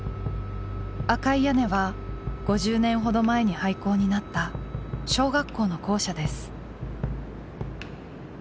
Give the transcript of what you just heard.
赤い屋根は５０年ほど前に廃校になった小学校の校舎です。